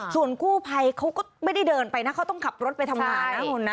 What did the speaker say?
ส่วนกู้ภัยเขาก็ไม่ได้เดินไปนะเขาต้องขับรถไปทำงานนะคุณนะ